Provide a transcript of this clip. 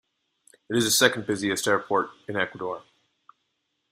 It is the second busiest airport in Ecuador.